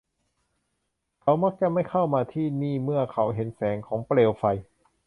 เขามักจะไม่เข้ามาที่นี่เมื่อเขาเห็นแสงของเปลวไฟ